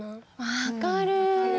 分かる。